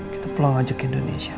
kita pulang ajak indonesia